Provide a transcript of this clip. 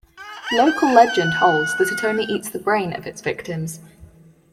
Local legend holds that it only eats the brain of its victims.